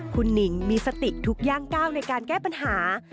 คุณหนิงมีสติทุกย่างก้าวในการแก้ปัญหา